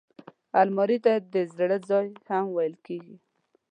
الماري ته د زړه ځای هم ویل کېږي